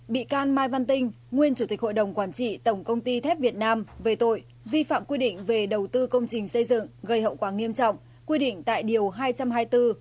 bị can mai văn tinh nguyên chủ tịch hội đồng quản trị tổng công ty thép việt nam về tội vi phạm quy định về đầu tư công trình xây dựng gây hậu quả nghiêm trọng quy định tại điều hai trăm hai mươi bốn